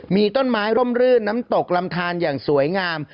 มีต้นไม้ร่มรื่นน้ำตกลำทานอย่างสวยงาม